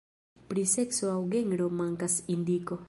Pri sekso aŭ genro mankas indiko.